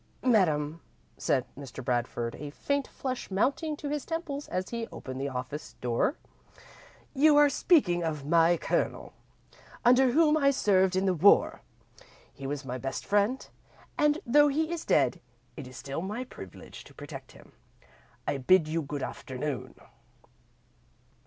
"Madam," said Mr. Bradford, a faint flush mounting to his temples as he opened the office door, "you are speaking of my Colonel, under whom I served in the war. He was my best friend, and though he is dead, it is still my privilege to protect him. I bid you good afternoon!"